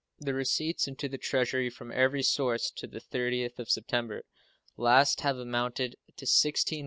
The receipts into the Treasury from every source to the 30th of September last have amounted to $16,794,107.